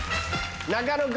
中野君。